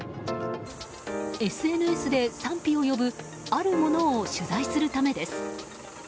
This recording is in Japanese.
ＳＮＳで賛否を呼ぶあるものを取材するためです。